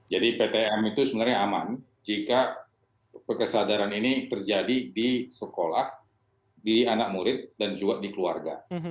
jadi ptm itu sebenarnya aman jika pekesadaran ini terjadi di sekolah di anak murid dan juga di keluarga